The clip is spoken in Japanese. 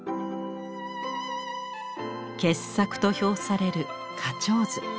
傑作と評される「花鳥図」。